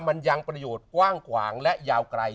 มันยังประโยชน์กว้างขวางและยาวไกล